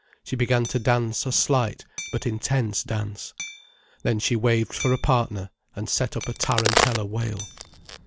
She began to dance a slight but intense dance. Then she waved for a partner, and set up a tarantella wail.